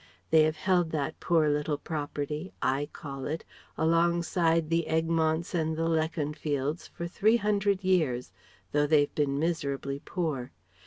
They have held that poor little property (I call it) alongside the Egmonts and the Leconfields for three hundred years, though they've been miserably poor.